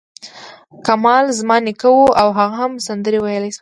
کمال زما نیکه و او هغه هم سندرې ویلای شوې.